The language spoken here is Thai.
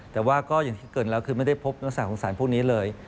แต่ว่าก็อย่างที่เกิดแล้วคือไม่ได้พบลักษณะของสารพวกนี้เลย